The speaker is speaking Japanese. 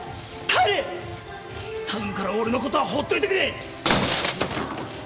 頼むから俺のことは放っておいてくれ！